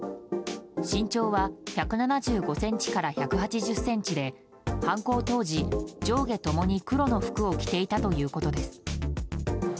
身長は１７５ｃｍから１８０ｃｍで犯行当時、上下ともに黒の服を着ていたということです。